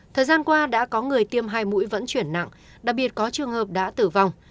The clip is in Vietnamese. thời gian qua đã có người tiêm hai mũi vẫn chuyển nặng đặc biệt có trường hợp đã tử vong